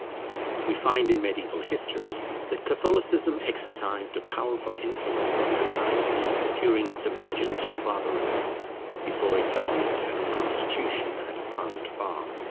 We find in mediaeval history that Catholicism exercised a powerful influence on society during its emergence from barbarism, before its own internal constitution had advanced far.